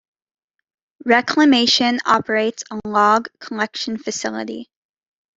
Reclamation operates a log collection facility.